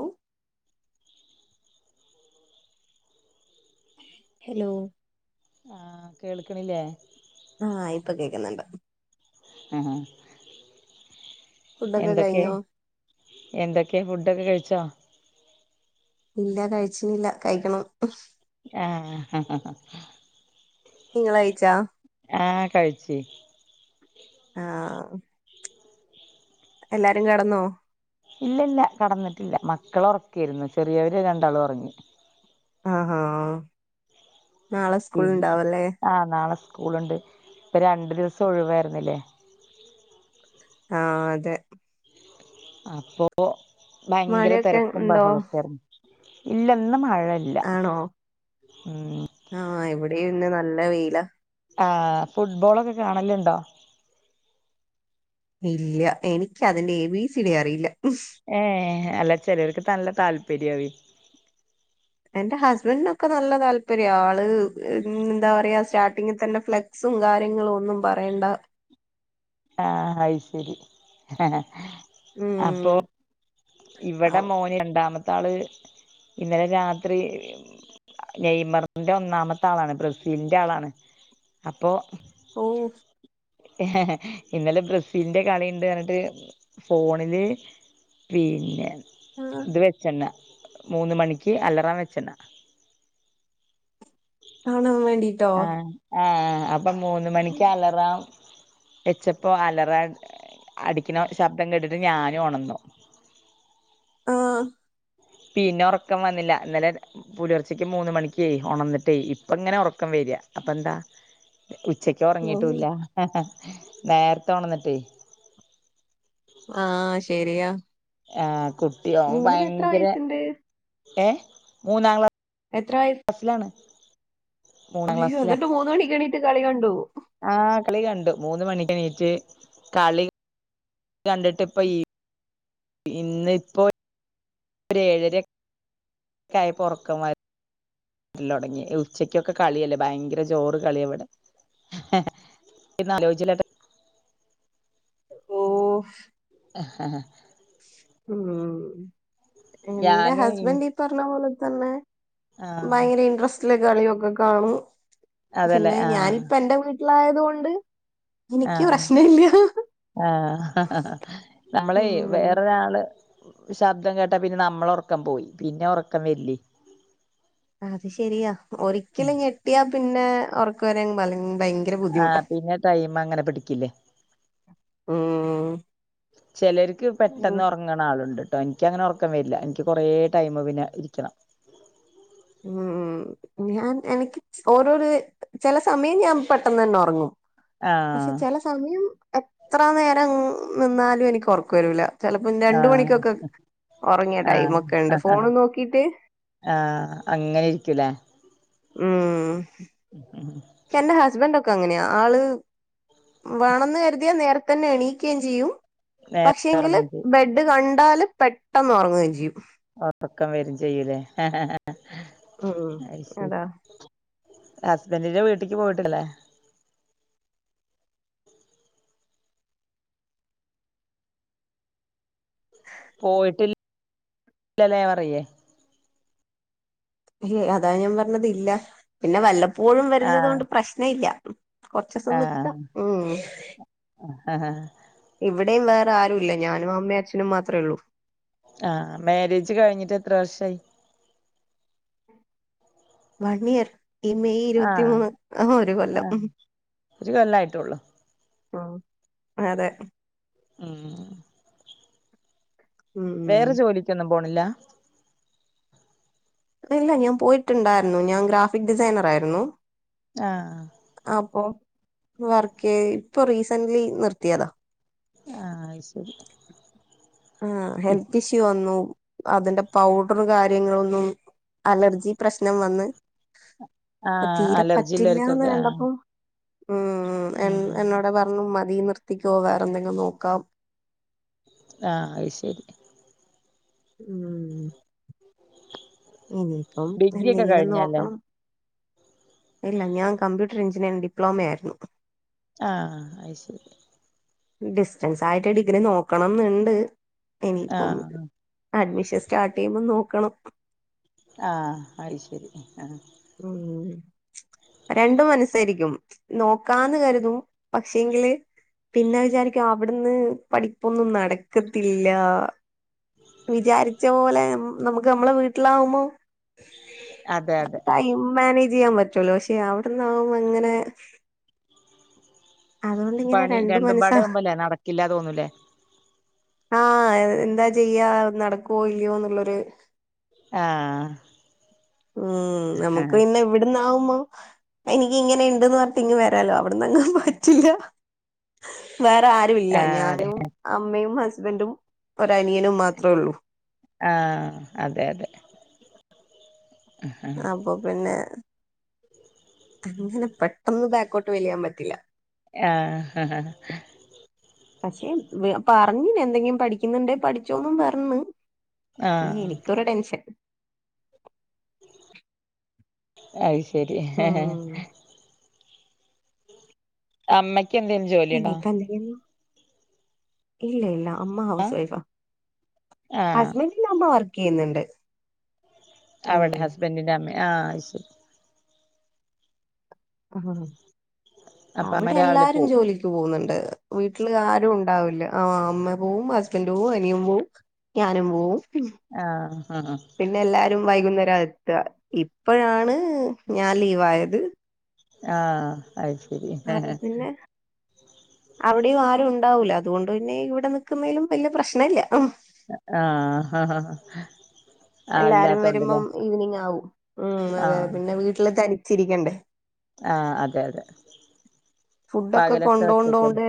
ഓ hello ആഹ് കേൾക്കണില്ലേ? ആഹ് ഇപ്പോ കേക്കുന്നുണ്ട്. ആഹ് ഫുഡൊക്കെ എന്തൊക്കെ കഴിഞ്ഞോ എന്തൊക്കെയാ ഫുഡൊക്കെ കഴി ച്ചോ ഇല്ല കഴിച്ചിനില്ല കഴിക്കണം. ആഹ് നിങ്ങള് കഴിച്ചാ ആഹാ കഴിച്ചി ആഹാ എല്ലാരും കിടന്നോ ഇല്ല ഇല്ല കിടന്നിട്ടില്ല മക്കള ഉറക്യാരുന്ന് ചെറിയവര് രണ്ടാൾ ഉറങ്ങി ആഹാ ആഹാ നാളെ സ്കൂള് ഇണ്ടാവല്ലേ ആഹ് നാളെ സ്കൂളുണ്ട് ഇപ്പം രണ്ട് ദിവസം ഒഴിവായിരുന്നില്ലേ ആഹാ അതെ അപ്പോ ഭയങ്കര മഴയൊക്കെ തിരക്കും ഉണ്ടോ ബഹളൊക്കെയാരുന്ന് ഇല്ലാ ഇന്ന് മഴ ആണോ ആഹാ ഇവി ഇവിടെ ഇന്ന് നല്ല വെയില ആഹ് ഫുട്ബോളൊക്കെ കാണലുണ്ടോ ഇല്ല്യ എനിക്ക് അതിന്റെ എ ബി സി ഡി അറിയില്ല ഏ നല്ല ചിലർക്ക് നല്ല താല്പര്യആവേ എൻറെ ഹസ്ബന്റിനൊക്കെ നല്ല താല്പര്യം ആള് എന്താ പറയാ സ്റ്റാർട്ടിങ്ങിൽ തന്നെ ഫ്ലെക്സും കാര്യങ്ങളും ഒന്നും പറയണ്ട ആഹ് അയ് ശരി അപ്പൊ ഉം ഇവിടെ മോന് രണ്ടാമ ആള് ഇന്നലെ രാത്രി നെയ്മറിന്റെ ഒന്നാമത്തെ ആളാണ് ബ്രസീലിന്റെ ആളാണ് അപ്പോ ഓ ഹ [inaudible] ഇന്നലെ ബ്രസീലിൻ്റെ കളിയുണ്ട് പറഞ്ഞിട്ട് ഫോണില് പിന്നെ ഇത് വെച്ചെന്നാ മൂന്ന് മണിക്ക് അലറാം വെച്ച്ണ കാണാൻ വേ ആഹ് ആഹ് അപ്പം മൂന്ന് മണിക്ക് അലറാം വെച്ചപ്പോ അലറാം അടിക്കിന ശബ്ദം കേട്ടിട്ട് ഞാനും ഒണന്നു ആഹ് പിന്നെ ഉറക്കം വന്നില്ല ഇന്നലെ പുലർച്ചക്ക് മൂന്ന് മണിക്കേ ഒണന്നിട്ടേ ഇപ്പം ഇങ്ങനെ ഉറക്കം വരിക അപ്പ എന്താ ഉച്ചക്ക് ഉം ഉറങ്ങിയിട്ടുമില്ല നേരത്തെ ഒണന്നിട്ടേ [unintelligible] ആഹ് കുട്ടിയോ അവൻ മോന് എത്ര ഭയങ്കര വയസ്സുണ്ട് ഏ മൂന്നാംക്ലാ എത്ര വയസ് സിലാണ് അയ്യോ എന്നിട്ട് മൂന്ന് മണിക്ക് എണീറ്റ് കളി ക ആ കളി കണ്ടു മൂന്ന് മണിക്ക് എണീറ്റ് കളി കണ്ടിട്ട് ഇപ്പൊ ഈ ഇന്നിപ്പോ ഒര് ഏഴര ഒക്കെ ആയപ്പം ഒറക്കം വരു വരല് തുടങ്ങി ഉച്ചക്കൊക്കെ കളിയല്ലേ ഭയങ്കര ജോറ് കളിയാ ഇവിടെ അവിടെ [unintelligible] ഓഫ് ഹ ഹ ഉം എന്റെ ഞാന് ഹസ്ബന്റ് ഈ പറഞ്ഞ പോലെ തന്നെ ആ ഭയങ്കര ഇൻട്രസ്റ്റ്ൽ കളിയൊക്കെ കാണും അതല്ലേ പിന്നെ ആ ഞാനിപ്പ എന്റെ വീ വീട്ടിലായതുകൊണ്ട് ആഹ് ആഹ് ആഹ് നമ്മളെ വെ ഉം ഒരാള് ശബ്ദം കേട്ടാ പിന്നെ നമ്മളെ ഒർക്കം പോയി പിന്നെ ഒർക്കം വര്ല്ലെ അത് ശെരിയാ ഒരിക്കല് ഞ്ഞെട്ടിയാ പിന്നെ ഒർക്കം [unintelligible] ആഹ പിന്നെ ടൈം അങ്ങനെ പിടിക്കില്ലേ ഉം ചിലർക്ക് ഉം പെട്ടെന്ന് ഉറങ്ങണ് ആളുണ്ട് എനിക്കങ്ങനെ ഉറക്കം വരില്ല എനിക്ക് കുറേ ടൈം പിന്നെ ഇരിക്കണം ഉം ഉം ഞാൻ എനിക്ക് ഓരോരു ചില സമയം ഞാൻ പെട്ടെന്ന് തന്നെ ഉറങ്ങും പക്ഷെ ആഹ് ചില സമയം എത്ര നേരം നിന്നാലും എനിക്ക് ഉറക്കം വരൂല്ല ചിലപ്പോം രണ്ട് ആഹ് മണിക്കൊക്കെ ഉറങ്ങിയ ആഹ് ടൈമൊക്കെ ഉണ്ട് ആഹ് ഫോൺ നോക്കിട്ട് ആഹ് അങ്ങനെ ഇരിക്കൂല്ലേ ഉം എന്റെ ഹസ്ബന്റ് ഒ അങ്ങനെയ ആള് വേണന്ന് കരുതിയാൽ നേരത്തെ തന്നെ എണീക്കുകയും ചെയ്യും നേരത്തെ പക്ഷെങ്കില് ഉറങ്ങും ചെയ്യും ബെഡ് ക ണ്ടാല് പെട്ടെന്ന് ഒറങ്ങുകയും ചെയ്യും. ഒറക്കം വരും ചെയ്യുലേ. ഉം അത് ശരി. അതാ ഹസ്ബന്റിന്റെ വീട്ട്ക്ക് പോയിട്ടില്ലല്ലേ. പോയിട്ടി ല്ലല്ലേ പറയേ അതാ ഞാൻ പറഞ്ഞത് ഇല്ല പിന്നെ വല്ല പ്പോഴും വരുന്നത് ആഹ് കൊണ്ട് പ്രശ്ന ഇല്ല. കൊറച്ച്സം ആഹ് നിക്കാ ഉം. ആഹ് ഇവ് വിടെയും വേറെ ആരു ഇല്ല ഞാനും അമ്മയും അച്ഛനും മാത്രേ ഉള്ളൂ. ആ മ്യാരേജ് കഴിഞ്ഞിട്ട് എത്ര വർഷായി? വൺ ഇയർ ഈ മെയ് ഇരുപത്തി ആഹ് മൂന്ന് ആ ഒരു കൊല്ലം. ആഹ് ഒരു കൊല്ലായിട്ടുള്ളൂ ആഹ് അതെ. ഉം ഉം വേറെ ജോലിക്കൊന്നും പോണില്ലാ ഇല്ല ഞാൻ പോയിട്ടുണ്ടായിരുന്നു ഞാൻ ഗ്രാഫിക് ഡിസൈനർ ആയിരുന്നു. ആ അപ്പൊ വർക്ക് ഇപ്പൊ റീസന്റ്ലി നിർത്തിയതാ ആ ആ ഐശരി ആ ഹെൽത്ത് ഇഷ്യൂ വന്നു അതിന്റെ പൗഡർ കാര്യങ്ങളൊന്നും അലർജി പ്രശ്നം വന്ന് ആ അപ്പൊ തീരെ അലർജിഇല്ലെർക്കൊക്കെ ആ ഉം ഉം എൻ എന്നോട് പറഞ്ഞു മൻ തി നിർത്തിക്കോ വേറെ എന്തെങ്കിലും നോക്കാം ആ ഐശരി ഉം ഇനിയിപ്പം ഡിഗ്രി ഒക്കെ എന്തെങ്കിലും കഴിഞ്ഞല്ലേ നോക്കണം. ഇല്ല ഞാന് കമ്പ്യൂട്ടർ എഞ്ചിനീയറിംഗ് ഡിപ്ലോമയായിരുന്നു ആ ഐശരി ഡിസ്റ്റൻസ് ആയിട്ട് ഡിഗ്രി നോക്കണംന്നുണ്ട്. ഇനിയിപ്പം ആഹ് അഡ്മിഷ സ്റ്റാർട്ട് ചെയ്യുമ്പോൾ നോക്കണം ആ അയ്ശരി ആ രണ്ടും മനസ്സായിരിക്കും നോക്കാന്ന് കരുതും പക്ഷെങ്കില് പിന്നെ വിചാരിക്കും അവിടുന്ന് പഠിപ്പൊന്നും നടക്കത്തില്ല വിചാരിച്ച പോലെ ന നമുക്ക് നമ്മളെ വീട്ടിലാവുമ്പോ അതെയതെ ടൈം മാനേജ് ചെയ്യാൻ പറ്റുവല്ലോ പക്ഷെ അവിടന്നാവുമ്പോ അങ്ങനെ അതുകൊണ്ട് ഇങ്ങനെ പണി രണ്ടു രണ്ടും മനസ്സാ പാടാവൂമ്പല്ലേ നടക്കില്ല തോന്നൂലേ ആ എന്താ ചെയ്യാ നടക്കുവോ ഇല്ലയോന്നുള്ളൊരു ആ ഉം നമുക്ക് പിന്നെ ഇവിടന്നാവും മ്പം എനിക്ക് ഇങ്ങനെ ഇണ്ടന്ന് പറഞ്ഞിട്ടങ്ങു വരാലോ അവിടന്നങ്ങനെ പറ്റില്ല വേറെ ആരുല്ല ആഹ് അതെ ഞാനും അമ്മയും ഹസ് ഹസ്ബന്റും ഒരനിയനും മാത്ര ഉള്ളൂ. ആഹ് അതെ അതെ ആഹ് അപ്പൊ പിന്നെ അങ്ങനെ പെട്ടന്ന് ബാക്കോട്ട് വലിയാൻ പറ്റില്ല. ആ പക്ഷെ പറഞ്ഞിനി എന്തെങ്കിലും പഠിക്കുന്നുണ്ടേ പഠിച്ചോന്നും പറഞ്ഞു. പിന്നെ ആഹ് എനിക്കൊരു ടെൻഷൻ. അയിശ് ശരി ഹേ ഹേ ഉം അമ്മയ് ക്ക് എന്തെങ്കിലും ജോലി ഉണ്ടോ? ഇല്ലി ലി ല്ല. അമ്മ ഹൗസ് ആഹ് വൈഫാ ആഹ് ഹസ്ബെൻടിന്റെ അമ്മ വർ ക്ക്‌ ചെയ്യുന്നുണ്ട്. ഉം അവിടെ ഹസ്ബൻഡിന്റെമ്മേ ആ ശരി. ആ അപ്പ അമ്മ അവിടെ രാവിലെ എല്ലാരും പോവും ജോലിക്ക് പോകുന്നുണ്ട്. വീട്ടിൽ ആരും ഉണ്ടാവില്ല ആ അമ്മ പോവും ഹസ്ബൻഡ് പോവും അനിയൻ പോവും ഞാനും പോവും ആഹ് ആഹ് പിന്നെ എല്ലാരും വൈകുന്നേ രാഎത്താ ഇപ്പോഴാണ് ഞാൻ ലീവായത്. ആ അത് ശരി അപ്പൊ വിടെയും ആരും ഉണ്ടാവൂല അതോണ്ട് പിന്നെ ഇവിടെ നിക്കുന്നതിലും വലിയ പ്രശ്നല്ല. ആഹ് എല്ലാരും വരുമ്പം അല്ലാത്തോണ്ടല്ലേ ഈവനിങ് ആകും ഉം അതെ പിന്നെ വീട്ടില് തനി ചിരിക്കണ്ടേ. ആ അതെ അതെ ഫുഡൊക്കെ പകലൊക്കെ ഒറ്റക്കലേ കൊണ്ടോണ്ടോണ്ട്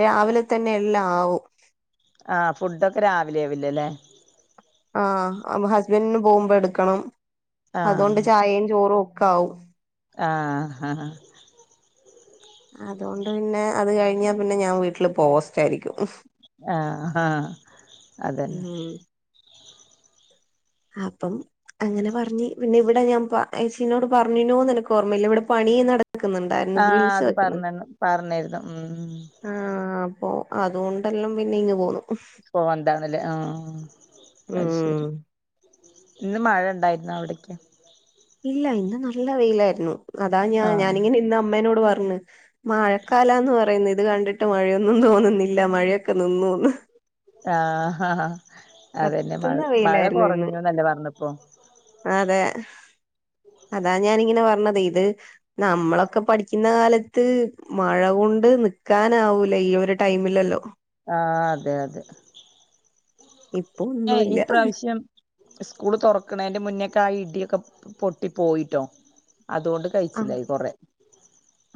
രാവിലെ തന്നെ എല്ലാം ആവും. ആ ഫുഡൊക്കെ രാവിലെ ആവില്ലലേ. ആ ഹസ്ബൻഡിന് പോകുമ്പോ എടുക്കണം ആഹ് അതുകൊണ്ട് ചായയും, ചോറും ക്കാവും. ആ അതുകൊണ്ട് പിന്നെ അത് കഴിഞ്ഞാ പിന്നെ ഞാൻ വീട്ടില് പോസ്റ്റയിരിക്കും ആ ആ അതന്നെ ഉം അപ്പം അങ്ങനെ പറഞ്ഞ് പിന്നെ ഇവിടെ ഞാൻ ഏച്ചീനോട് പറഞ്ഞീനോനെനക്ക് ഓമ്മയില്ല ഇവിടെ പണി നട ആ അത് പറഞ്ഞന്നു പറഞ്ഞാരുന്നു ഉം ഒ അതുകൊണ്ടെല്ലാം പിന്നെ ഇങ്ങ് പോന്നു. പോ എന്താണലെ ആഹ അത് ശരി ഉം ഇന്ന് മഴ ഉണ്ടായിുന്നോ അവിടെ ക്ക് ഇല്ല ഇന്ന് നല്ല വെയിലായിരുന്നു അതാ ഞാ ആഹ് ഞാനിങ്ങന ഇ അമ്മനോട് പറഞ് മഴക്കാലന്ന് പറയുന്ന ഇത് കണ്ടിട്ട് മഴയൊന്നും തോന്നുന്നില്ല മഴയൊക്കെ നിന്നോ ന്ന് ആഹ അതന്നെ മഴ കത്തുന്ന മഴ വെയിലായിരുന്നു ഇന്ന് കുറഞ്ഞുന്നല്ലേ പറഞ്ഞപ്പോൊ അതെ അതാ ഞാാനിങ്ങനെ പറഞ്ഞത് ഇത് നമ്മളൊക്കെ പഠിക്കുന്ന കാലത്ത് മഴ കൊണ്ട് നിക്കാനാവൂല ഈ ഒരു ടൈമിലല്ലോ ആഹ അതെ അതെ ഇപ്പൊ ഏ ഒന്നുല്ല ഇപ്രാവശ്യം സ്കൂള് തുറക്കണെ ണന്റെ മുന്നേക്ക ഇഡിയൊക്കെ പൊട്ടി പോയിട്ടോ അതുകൊണ്ട് കഴിച്ചലായ് യികൊറെ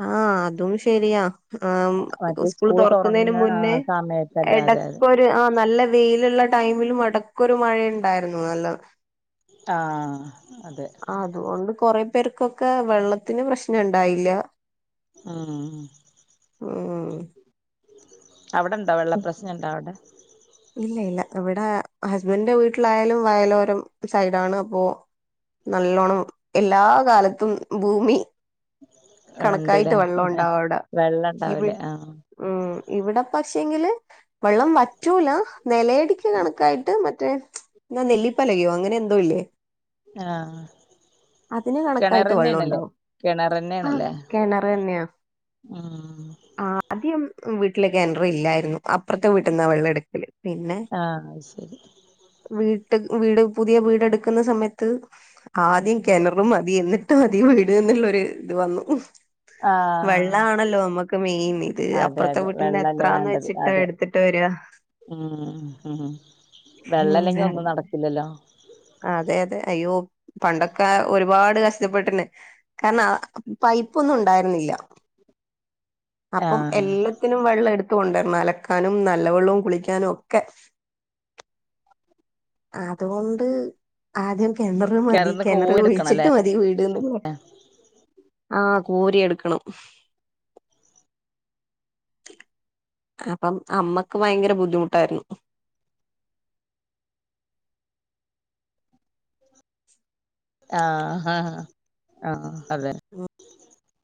ആ അതും ശരിയാ ആ മറ്റേ സ്കൂൾ സ്കൂള് തുറക്കുന്നതിന് തുറങ്ങ ആ മുന്നേ സമയത്തല്ലേ അതെ അതെ എടക്കരു ആ നല്ല വെയിലുള്ള ടൈമിലും എടക്കൊരു മഴയുണ്ടായിരുന്നു നല്ല ആ ആ അത് ഓണ്ട് കൊറെ പേർക്കൊക്കെ വെള്ളത്തിന് പ്രശ്നം ഉണ്ടായില്ല മ്മ് മ്മ് അവിടെണ്ടോ വെള്ള പ്രശ്നംഉണ്ടോ അവിടെ ഇല്ല ഇല്ല ഇവിടെ ഹസ്ബൻഡന്റെ വീട്ടിലായാലും വയലോരം സൈഡാണ് അപ്പൊ നല്ലോണം എല്ലാ കാലത്തും ഭൂമി കണക്കായിട്ട് ഇണ്ട്ല്ലേ വെള്ളം ഉണ്ടാവിട വെള്ളം ഇവി ഇണ്ടാവൂലേ ആഹ് ഉം ഇവിടെ പക്ഷ ങ്കില് വെള്ളം വറ്റൂല നിലയടക്ക് കണക്കായിട്ട് മ [unintelligible] എന്നാ നെല്ലിപ്പലകയോ അങ്ങനെ എന്തോ ഇല്ലേ ആ ആ അതിന് കിണർന്നെയ ആണല്ലേ കിണർന്നെയാണ് കെണറ് തന്നെയയാ ഉം ആ ദ്യം വീട്ടിലേക്ക് എൻട്രി ഇല്ലായിരുന്നു അപ്പുറത്ത് വീട്ടുന്നാ വെള്ളം എടുക്കില് പിന്നെ ആഹ് അത് ശരി വി ് വീട് പുതിയ വീട്ടുക്കുന്ന സമയത്ത് ആദ്യം കെണറും മതി എന്നിട്ടും മതി വീട് എന്നുള്ളൊര് ഇത് വന്നു വെള്ള ആഹ് ആണല്ലോ നമാക്ക് ക്ക് മീ.. ഇത് അതെ അപ്പുറത്തെ അതെ വീട്ടിൽന്ന് വെള്ളല്ലേ എത്രാന്ന് വേണ്ടത് വെച്ചിട്ടാ അതെ എടുത്തിട്ട് വരിഅ ഉം ഉം വെള്ളല്ലെങ്കി ഒന്നും നടക്കില്ലല്ലോ അതെ അതെ അയ്യോ പണ്ടൊക്കെ ഒരു പാട് കഷ്ടപ്പെട്ടിന് കാരണ പൈപ്പൊന്നുണ്ടായിരുന്നില്ല അപ്പം ആഹ് എല്ലത്തിനും വെള്ളം എടു ട്ടുണ്ട് അലക്കാനും നല്ലവെള്ളവും കുളിക്കാനും ഒക്കെ അതുകൊണ്ട് ആദ്യം കിണറ് മതി കിണർന്ന് കിണറ് കോരി കുഴിച്ചിട്ട് എടുക്കണല്ലേ മതി വീട്ന്ന്ല്ലേ ആ കോരി എടുക്കണം അപ്പം അമ്മക്ക് ഭയങ്കര ബുദ്ധിമുട്ടായിരുന്നു ആ ഹാ ആ അതെ